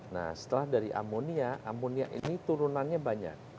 nah setelah dari ammonia ammonia ini turunannya banyak